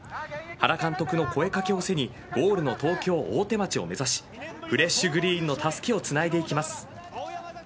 原監督の声掛けを背にゴールの東京・大手町を目指しフレッシュグリーンのたすきをつないでいきます。